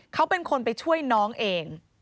เขาเป็นคนไปช่วยน้องเอง